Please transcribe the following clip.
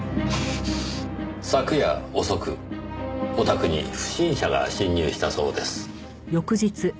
昨夜遅くお宅に不審者が侵入したそうです。